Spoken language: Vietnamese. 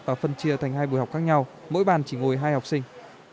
và phân chia thành hai buổi học khác nhau mỗi bàn chỉ ngồi hai học sinh